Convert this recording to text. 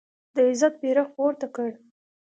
د عزت بیرغ پورته کړ